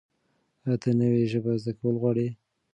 ایا ته نوې ژبه زده کول غواړې؟